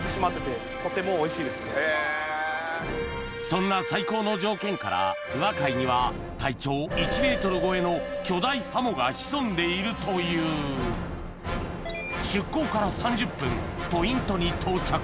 そんな最高の条件から宇和海には体長１ｍ超えの巨大ハモが潜んでいるという出港から３０分ポイントに到着